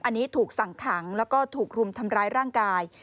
อันนี้ถูกสั่งขังแล้วก็ถูกรุมทำร้ายร่างกาย